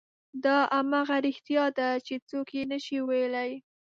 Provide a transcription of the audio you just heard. دا همغه رښتیا دي چې څوک یې نه شي ویلی.